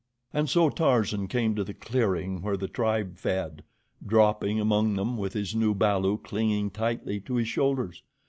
And so Tarzan came to the clearing where the tribe fed, dropping among them with his new balu clinging tightly to his shoulders.